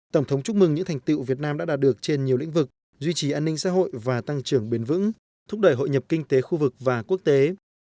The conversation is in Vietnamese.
tổng thống chúc mừng những thành tiệu việt nam đã đạt được trên nhiều lĩnh vực duy trì an ninh xã hội và tăng trưởng bền vững thúc đẩy hội nhập kinh tế khu vực và quốc tế